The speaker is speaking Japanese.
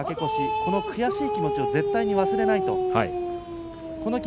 この悔しい気持ちを絶対に忘れないと話しています。